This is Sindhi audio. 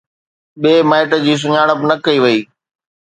ٻئي مائٽ جي سڃاڻپ نه ڪئي وئي